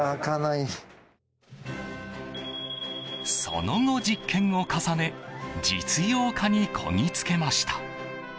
その後、実験を重ね実用化にこぎつけました。